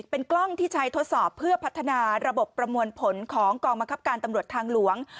เป็นกล้องที่ใช้ทดสอบเพื่อพัฒนาระบบประมวลผลของกองบังคับการตำรวจทางหลวง